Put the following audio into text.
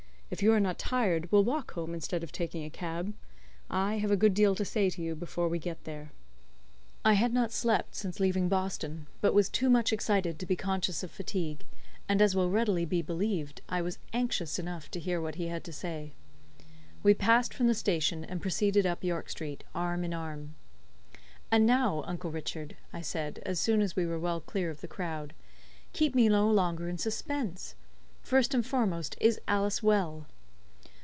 If you are not tired we'll walk home instead of taking a cab. I have a good deal to say to you before we get there." I had not slept since leaving Boston, but was too much excited to be conscious of fatigue, and as will readily be believed, I was anxious enough to hear what he had to say. We passed from the station, and proceeded up York Street, arm in arm. "And now, Uncle Richard," I said, as soon as we were well clear of the crowd, "keep me no longer in suspense. First and foremost, is Alice well?"